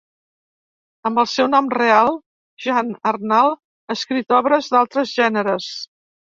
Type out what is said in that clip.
Amb el seu nom real, Jan Arnald ha escrit obres d'altres gèneres.